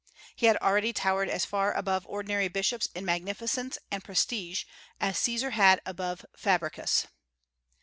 "He had already towered as far above ordinary bishops in magnificence and prestige as Caesar had above Fabricius."